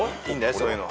そういうのは。